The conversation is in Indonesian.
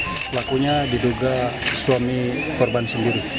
pelakunya diduga suami korban sendiri